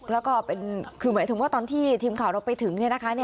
แล้วก็คือหมายถึงว่าตอนที่ทีมข่าวเราไปถึง